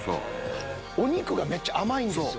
お肉がめっちゃ甘いんですよ。